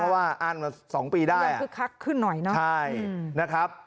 ว่าอ้านมา๒ปีได้ยังคึกคักขึ้นหน่อยนะใช่นะครับ